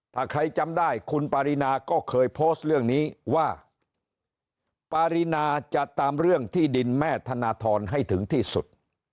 ถ้าใครจำได้คุณปารีนาก็เคยโพสต์เรื่องนี้ว่าปารีนาจะตามเรื่องที่ดินแม่ธนทรให้ถึงที่สุด